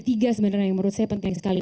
tiga sebenarnya yang menurut saya penting sekali